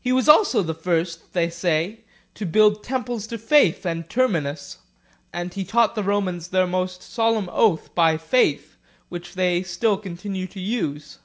He was also the first, they say, to build temples to Faith and Terminus; and he taught the Romans their most solemn oath by Faith, which they still continue to use.